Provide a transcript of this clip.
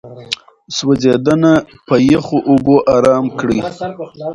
سوځېدنه په يخو اوبو آرام کړئ.